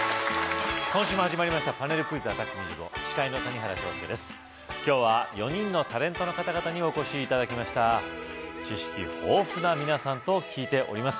今週も始まりましたパネルクイズアタ司会の谷原章介です今日は４人のタレントの方々にお越し頂きました知識豊富な皆さんと聞いております